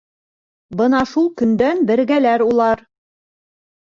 Бына шул көндән бергәләр улар.